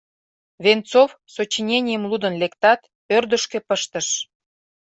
Венцов, сочиненийым лудын лектат, ӧрдыжкӧ пыштыш.